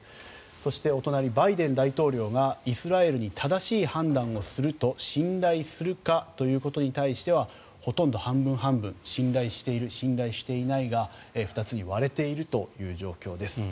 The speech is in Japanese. そして、お隣バイデン大統領がイスラエルに正しい判断をすると信頼するか？ということに対してはほとんど半分半分信頼している、信頼していないが２つに割れているという状況です。